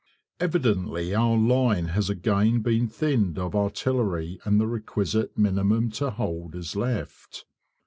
Evidently our line has again been thinned of artillery and the requisite minimum to hold is left.